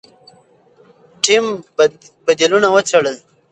ټیم بدیلونه وڅېړل.